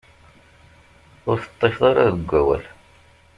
Ur teṭṭifeḍ ara deg awal.